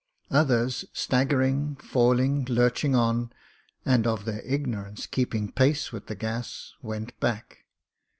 Others, staggering, falling, lurching on, and of their ignorance keeping pace with the gas, went back.